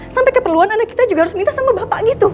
sampai keperluan anak kita juga harus minta sama bapak gitu